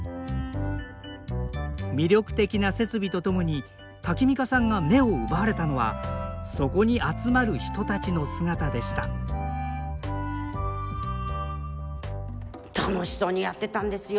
魅力的な設備とともにタキミカさんが目を奪われたのはそこに集まる人たちの姿でした楽しそうにやってたんですよ。